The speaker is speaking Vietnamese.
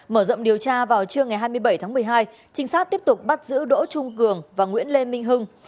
mở rộng điều tra vào trưa ngày hai mươi bảy tháng một mươi hai trinh sát tiếp tục bắt giữ đỗ trung cường và nguyễn lê minh hưng